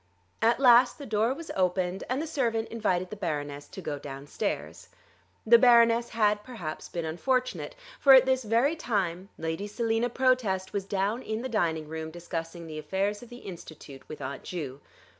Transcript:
At last the door was opened and the servant invited the Baroness to go downstairs. The Baroness had perhaps been unfortunate, for at this very time Lady Selina Protest was down in the dining room discussing the affairs of the Institute with Aunt Ju.